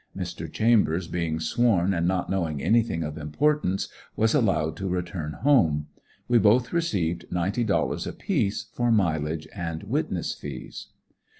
Mr. Chambers being sworn and not knowing anything of importance, was allowed to return home. We both received ninety dollars apiece, for mileage and witness fees.